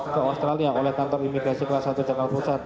ke australia oleh kantor imigrasi kelas satu jakarta pusat